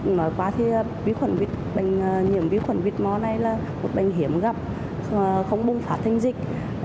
nói quá thì nhiễm vi khuẩn huyết mò này là một bệnh hiểm gặp không bùng phá thanh dịch